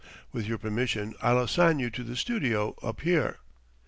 With your permission, I'll assign you to the studio up here."